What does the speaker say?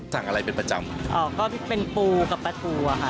อะไรเป็นประจำอ๋อก็เป็นปูกับปลาทูอะค่ะ